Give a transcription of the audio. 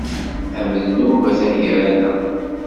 Amednub atan gar-aneɣ.